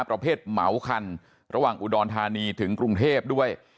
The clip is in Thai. ประเภทเหมาคันระหว่างอุดรธานีถึงกรุงเทพด้วย